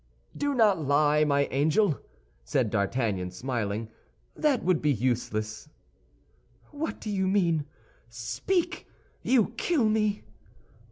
"Do not lie, my angel," said D'Artagnan, smiling; "that would be useless." "What do you mean? Speak! you kill me."